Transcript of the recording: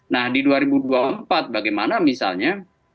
nah di dua ribu dua puluh empat bagaimana misalnya